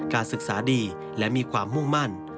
การศึกษาดีและมีความมุ่งมั่น